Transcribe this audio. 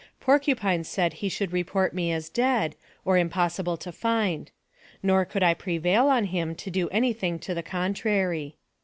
Porcupine said he should report me as dead, or im possible to find ; nor could I prevail on him to do any thing to the contrary.